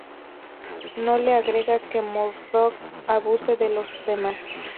No le agrada que Murdoc abuse de los demás.